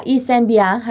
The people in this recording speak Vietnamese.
ysen bia hai mươi bốn tuổi